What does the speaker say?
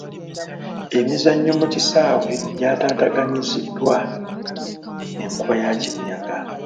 Emizannyo mu kisaawe gyataataaganyiziddwa enkuba ya kibuyaga.